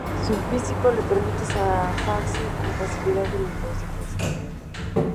Su físico le permite zafarse con facilidad de los defensas.